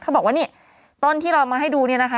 เขาบอกว่านี่ต้นที่เรามาให้ดูเนี่ยนะคะ